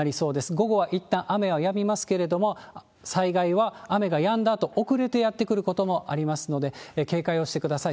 午後はいったん雨はやみますけれども、災害は雨がやんだあと、遅れてやって来ることもありますので、警戒をしてください。